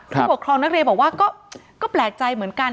ผู้ปกครองนักเรียนบอกว่าก็แปลกใจเหมือนกัน